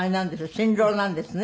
新郎なんですね？